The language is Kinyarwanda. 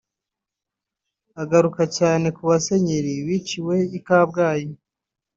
agaruka cyane ku basenyeri biciwe I Kabgayi